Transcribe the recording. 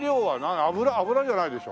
油じゃないでしょ？